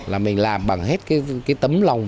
là mình làm bằng hết cái tấm lòng